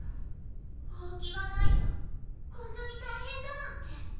ほうきがないとこんなにたいへんだなんて。